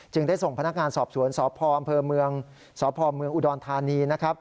จึงได้ส่งพนักงานสอบสวนสพอเมืองอุดรธานี